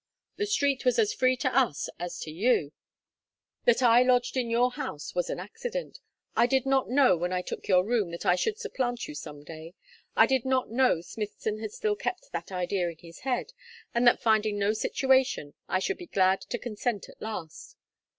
the street was as free to us as to you; that I lodged in your house was an accident; I did not know when I took your room that I should supplant you some day. I did not know Smithson had still kept that idea in his head, and that finding no situation I should be glad to consent at last.